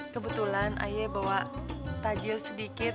kebetulan ayah bawa tajil sedikit